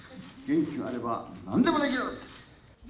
元気があればなんでもできる。